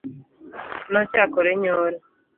Nochakore nyoro.